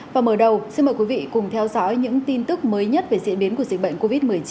và mở đầu xin mời quý vị cùng theo dõi những tin tức mới nhất về diễn biến của dịch bệnh covid một mươi chín